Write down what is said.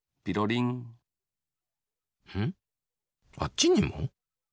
んっあっちにも？